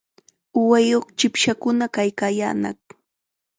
Uwayuq chipshakuna kaykaayaanaq.